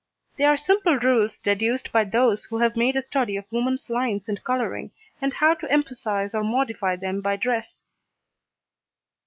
They are simple rules deduced by those who have made a study of woman's lines and colouring, and how to emphasise or modify them by dress.